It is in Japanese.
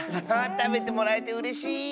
たべてもらえてうれしい。